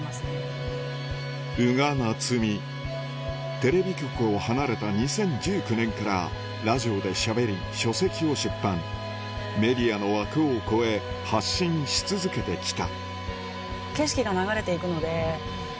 テレビ局を離れた２０１９年からラジオでしゃべり書籍を出版メディアの枠を超え発信し続けてきた